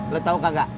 lo tau kagak